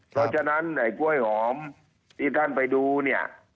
เพราะฉะนั้นไอ้กล้วยหอมที่ท่านไปดูเนี่ย